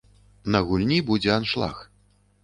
На гульні будзе аншлаг.